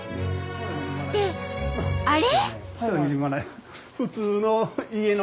ってあれ？